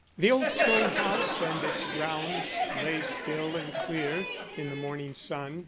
The old stone house and its grounds lay still and clear in the morning sun.